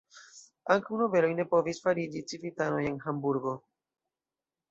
Ankaŭ nobeloj ne povis fariĝi civitanoj en Hamburgo.